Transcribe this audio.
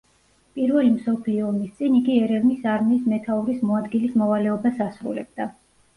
პირველი მსოფლიო ომის წინ იგი ერევნის არმიის მეთაურის მოადგილის მოვალეობას ასრულებდა.